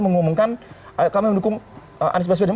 mengumumkan kami mendukung anies baswedan